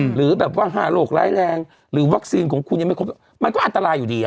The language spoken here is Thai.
หรือแบบว่า๕โรคร้ายแรงหรือวัคซีนของคุณยังไม่ครบมันก็อันตรายอยู่ดี